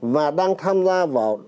và đang tham gia vào